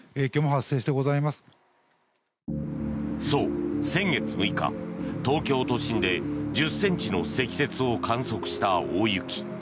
そう、先月６日東京都心で１０ｃｍの積雪を観測した大雪。